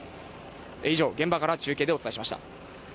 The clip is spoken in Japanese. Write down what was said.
以上、現場から中継でお伝えしました。